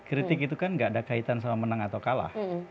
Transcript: kritik itu kan gak ada kaitan sama menang atau kalah